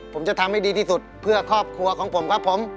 ผมจะทำให้ดีที่สุดเพื่อครอบครัวของผมครับผม